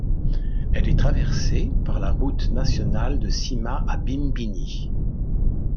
Elle est traversée par la route nationale de Sima à Bimbini.